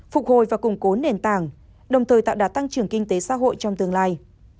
phục hồi và củng cố nền tảng đồng thời tạo đạt tăng trưởng kinh tế xã hội trong tương lai